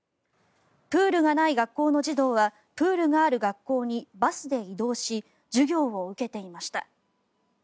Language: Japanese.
プールがない学校の児童はプールがある学校にバスで移動し授業を受けていました。